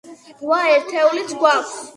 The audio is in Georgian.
რვა ერთეულიც გვაქვს.